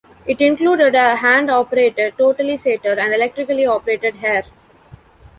It included a hand-operated totalisator and electrically operated hare.